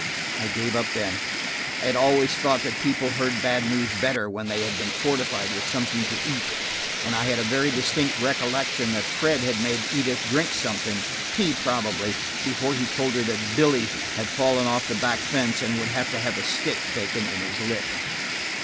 I gave up then. I had always thought that people heard bad news better when they had been fortified with something to eat, and I had a very distinct recollection that Fred had made Edith drink something–tea probably–before he told her that Billy had fallen off the back fence and would have to have a stitch taken in his lip.